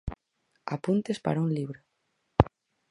Apuntes para un libro.